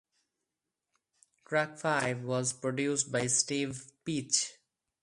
Track five was produced by Steve Peach.